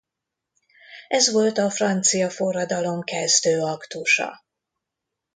Ez volt a francia forradalom kezdő aktusa.